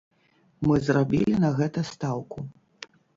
Мы зрабілі на гэта стаўку.